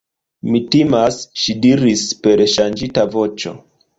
Mi timas, ŝi diris per ŝanĝita voĉo.